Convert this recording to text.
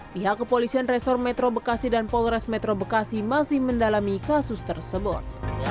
pihak kepolisian resor metro bekasi dan polres metro bekasi masih mendalami kasus tersebut